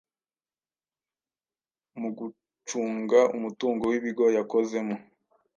mu gucunga umutungo w’ibigo yakozemo,